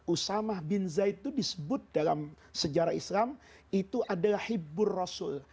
usamah bin zaid itu disebut dalam sejarah islam itu adalah hibur rasul